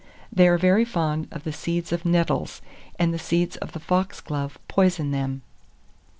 They are very fond of the seeds of nettles, and the seeds of the foxglove poison them.